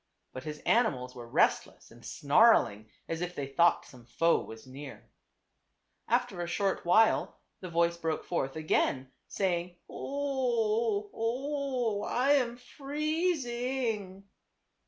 But his animals were restless and snarling as if they thought some foe was near. After a short while the voice broke forth again, saying, a O oh, o oh ! I am freezing."